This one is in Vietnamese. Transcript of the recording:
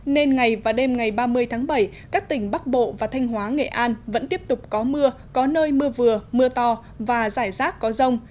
nên ngày và đêm ngày ba mươi tháng bảy các tỉnh bắc bộ và thanh hóa nghệ an vẫn tiếp tục có mưa có nơi mưa vừa mưa to và rải rác có rông